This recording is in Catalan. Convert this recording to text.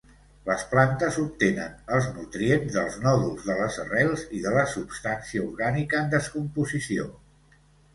Les plantes obtenen els nutrients dels nòduls de les arrels i de la substància orgànica en descomposició.